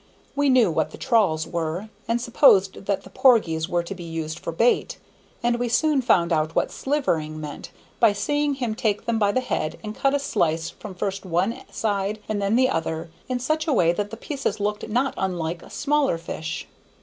We knew what the trawls were, and supposed that the porgies were to be used for bait; and we soon found out what "slivering" meant, by seeing him take them by the head and cut a slice from first one side and then the other in such a way that the pieces looked not unlike smaller fish.